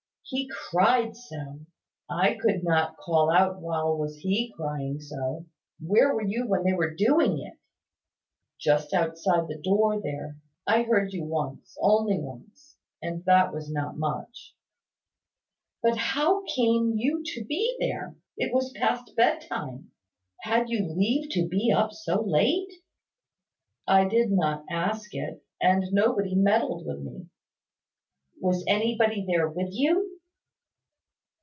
He cried so! I could not call out while was he crying so. Where were you when they were doing it?" "Just outside the door there. I heard you once only once; and that was not much." "But how came you to be there? It was past bedtime. Had you leave to be up so late?" "I did not ask it; and nobody meddled with me." "Was anybody there with you?"